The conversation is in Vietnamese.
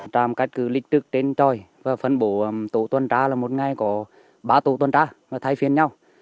trạm cách cử lịch trực trên tròi và phân bổ tổ tuần tra là một ngày có ba tổ tuần tra thay phiên nhau